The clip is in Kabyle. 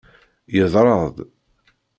Yeḍra-d.